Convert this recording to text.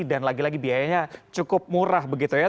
dan lagi lagi biayanya cukup murah begitu ya